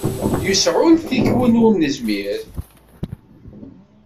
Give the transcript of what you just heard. Yesɛullet-ik win ur nezmir.